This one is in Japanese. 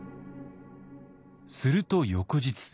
すると翌日。